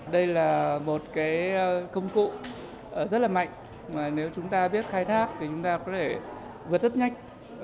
đây là một cái công cụ rất là mạnh mà nếu chúng ta biết khai thác thì chúng ta có thể vượt rất nhanh